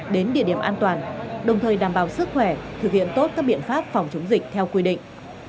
đến địa điểm an toàn đồng thời đảm bảo sức khỏe thực hiện tốt các biện pháp phòng chống dịch theo quy định